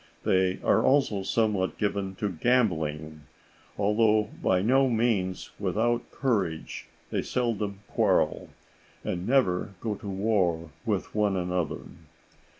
They are also somewhat given to gambling. Although by no means without courage, they seldom quarrel, and never go to war with one another.